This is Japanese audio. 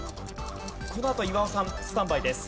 このあと岩尾さんスタンバイです。